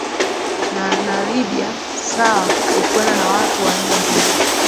na na libya sawa alikwenda na watu wa aina mbili